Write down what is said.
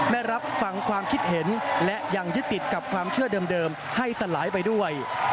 รับฟังความคิดเห็นและยังยึดติดกับความเชื่อเดิมให้สลายไปด้วย